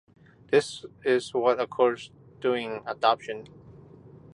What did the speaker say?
This is what occurs during adoption.